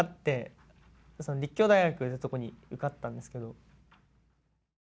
その立教大学ってとこに受かったんですけど。